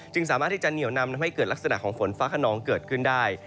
สามารถที่จะเหนียวนำทำให้เกิดลักษณะของฝนฟ้าขนองเกิดขึ้นได้